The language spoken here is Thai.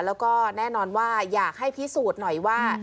แล้วก็แน่นอนว่าอยากให้พิสูจน์หน่อยว่า